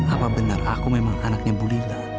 apa benar aku memang anaknya bu lila